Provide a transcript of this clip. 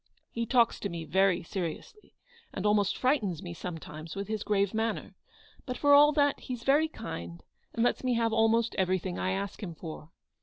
He talks to me very seriously, and almost frightens me sometimes with his grave manner ; but, for all that, he's very kind, and lets me have almost everything I ask him for.